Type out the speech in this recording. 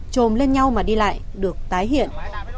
trồm lên nhau mà đi lại được tái hiện